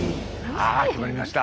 さあ決まりました！